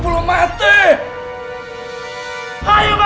bunuh aku sekarang juga